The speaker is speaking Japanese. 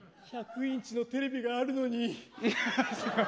１００インチのテレビがあるのに。